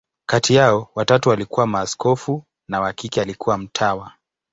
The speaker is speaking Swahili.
Kati yao, watatu walikuwa maaskofu, na wa kike alikuwa mtawa.